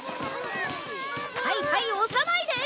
はいはい押さないで！